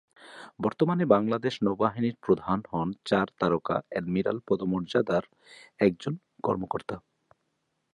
বর্তমানে বাংলাদেশ নৌবাহিনীর প্রধান হন চার তারকা অ্যাডমিরাল পদমর্যাদার একজন কর্মকর্তা।